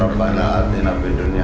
rabbah ala'atina bin dunia